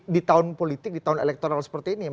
di tahun politik di tahun elektoral seperti ini